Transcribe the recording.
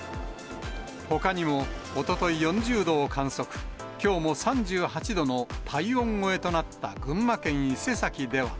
ほかにも、おととい４０度を観測、きょうも３８度の体温超えとなった群馬県伊勢崎では。